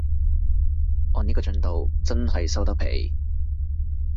按呢個進度真係收得皮